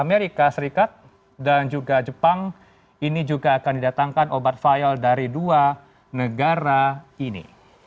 amerika serikat dan juga jepang ini juga akan didatangkan obat file dari dua negara ini